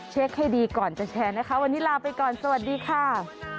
ให้ดีก่อนจะแชร์นะคะวันนี้ลาไปก่อนสวัสดีค่ะ